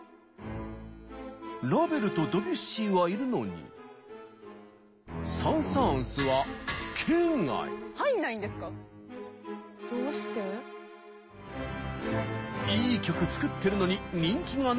ラヴェルとドビュッシーはいるのにサン・サーンスはいい曲作ってるのに人気がない？